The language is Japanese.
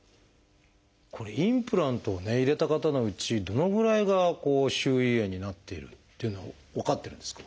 これインプラントをね入れた方のうちどのぐらいが周囲炎になっているっていうのは分かってるんですか？